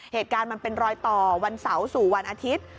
เหตุการณ์มันเป็นรอยต่อวันเสาร์สู่วันอาทิตย์